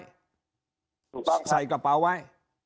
ถูกต้องใส่กระเป๋าไว้